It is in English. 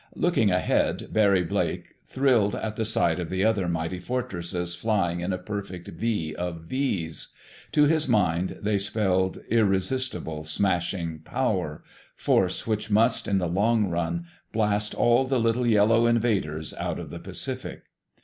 Looking ahead, Barry Blake thrilled at the sight of the other mighty Fortresses flying in a perfect V of V's. To his mind they spelled irresistible, smashing power—force which must, in the long run, blast all the little yellow invaders out of the Pacific.